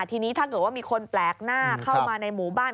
ทีนี้ถ้าเกิดว่ามีคนแปลกหน้าเข้ามาในหมู่บ้าน